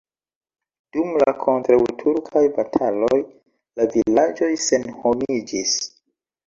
Dum la kontraŭturkaj bataloj la vilaĝoj senhomiĝis.